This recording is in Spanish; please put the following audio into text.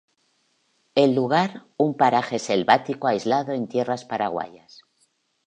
El lugar: un paraje selvático aislado en tierras paraguayas.